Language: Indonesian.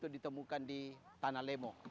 di tanah lemo